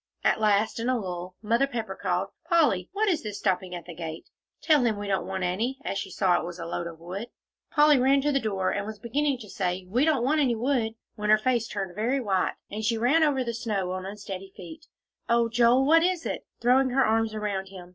At last, in a lull, Mother Pepper called, "Polly, what is this stopping at the gate? Tell him we don't want any," as she saw it was a load of wood. Polly ran to the door, and was beginning to say, "We don't want any wood," when her face turned very white, and she ran over the snow on unsteady feet. "Oh, Joel, what is it?" throwing her arms around him.